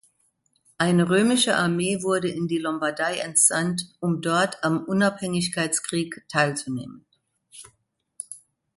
Eine römische Armee wurde in die Lombardei entsandt, um dort am Unabhängigkeitskrieg teilzunehmen.